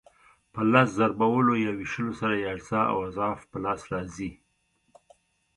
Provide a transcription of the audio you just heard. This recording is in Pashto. په لس ضربولو یا وېشلو سره یې اجزا او اضعاف په لاس راځي.